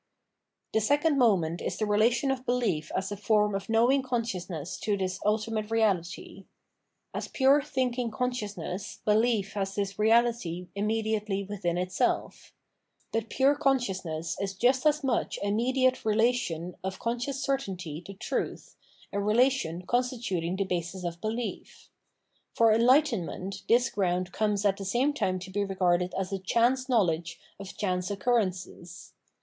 The second moment is the relation of behef as a form of knowing consciousness to this ultimate Eeahty. As pure thinking consciousness behef has this Reahty Yot. II.— n 662 Phenomenology of Mind imraediately witMn itself. But pure consciousness is just as mucli a mediate relation of conscious certainty to truth., a relation constituting tlie basis of belief. For erJigbtenment this ground comes at the same time to be regarded as a chance knowledge of chance occur rences.